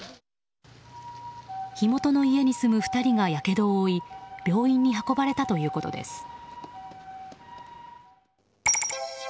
火元の家に住む２人がやけどを負い病院に運ばれたということです。